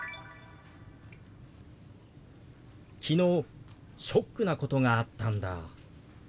「昨日ショックなことがあったんだ」。